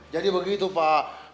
jadi begitu pak